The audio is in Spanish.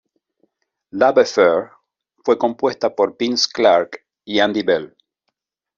Love Affair fue compuesta por Vince Clarke y Andy Bell.